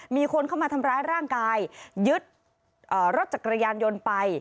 มีคนเข้ามาทำร้ายร่างกายยึดรถจักรยานยนต์ไป